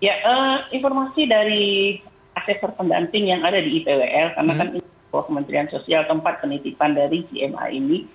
ya informasi dari asesor pendamping yang ada di ipwl karena kan kementerian sosial tempat penitipan dari cma ini